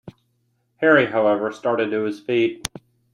Harry, however, started to his feet.